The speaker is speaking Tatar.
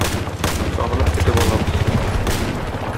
Сагынып көтеп алабыз.